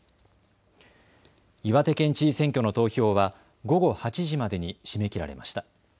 岩手県知事選挙の投票は午後８時までに締め切られました。